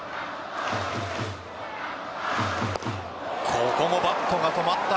ここもバットが止まった。